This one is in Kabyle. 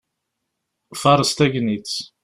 Faṛeṣ tagnitt!